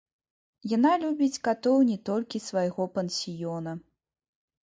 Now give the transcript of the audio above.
Яна любіць катоў не толькі свайго пансіёна.